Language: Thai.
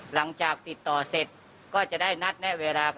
หลังจากติดต่อเสร็จก็จะได้นัดแนะเวลา